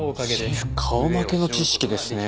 シェフ顔負けの知識ですね。